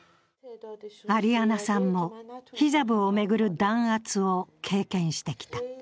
アリアナさんもヒジャブを巡る弾圧を経験してきた。